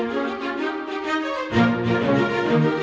yang selalu menanggung kami